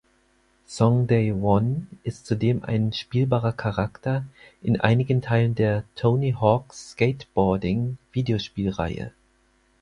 Song Dae-won ist zudem ein spielbarer Charakter in einigen Teilen der "Tony Hawk’s Skateboarding"-Videospielreihe.